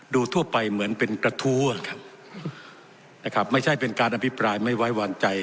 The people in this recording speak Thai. ทั่วไปเหมือนเป็นกระทู้นะครับนะครับไม่ใช่เป็นการอภิปรายไม่ไว้วางใจ